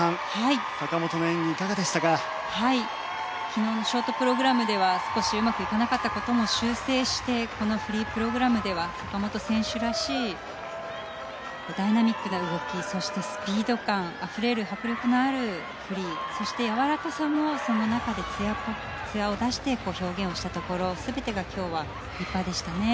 昨日のショートプログラムでは少しうまくいかなかった事も修正してこのフリープログラムでは坂本選手らしいダイナミックな動きそしてスピード感あふれる迫力のあるフリーそしてやわらかさもその中で艶を出して表現をしたところ全てが今日は立派でしたね。